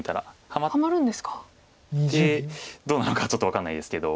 ハマってどうなのかちょっと分かんないですけど。